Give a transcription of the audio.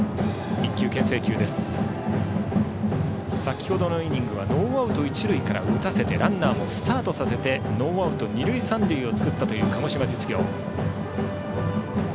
先程のイニングはノーアウト、一塁から打たせてランナーもスタートさせてノーアウト、二塁三塁を作ったという鹿児島実業。